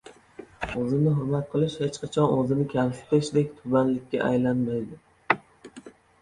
O‘zini hurmat qilish hech qachon o‘zini kamsitishdek tubanlikka aylanmaydi.